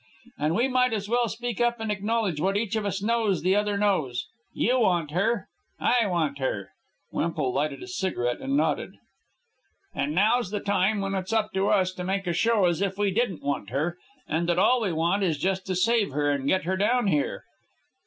"And we might as well speak up and acknowledge what each of us knows the other knows. You want her. I want her." Wemple lighted a cigarette and nodded. "And now's the time when it's up to us to make a show as if we didn't want her and that all we want is just to save her and get her down here."